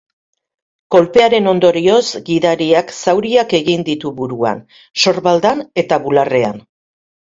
Kolpearen ondorioz, gidariak zauriak egin ditu buruan, sorbaldan eta bularrean.